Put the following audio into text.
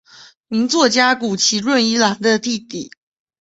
名作家谷崎润一郎的弟弟。